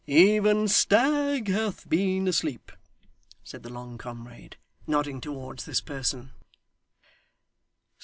'Even Stagg hath been asleep,' said the long comrade, nodding towards this person.